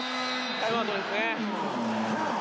タイムアウトですね。